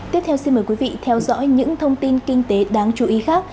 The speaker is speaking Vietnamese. tiếp theo xin mời quý vị theo dõi những thông tin kinh tế đáng chú ý khác